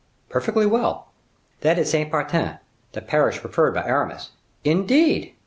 "Perfectly well." "That is Saint Patern, the parish preferred by Aramis." "Indeed!"